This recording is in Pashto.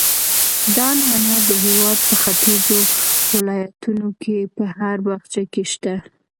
دا نعناع د هېواد په ختیځو ولایتونو کې په هر باغچه کې شته.